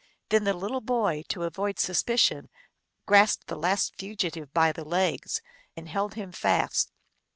Then the little boy, to avoid suspi cion, grasped the last fugitive by the legs and held him fast.